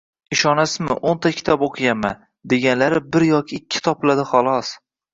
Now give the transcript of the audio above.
Ishonasizmi, o`nta kitob o`qiganman, deganlari bir yoki ikkita topiladi, xolos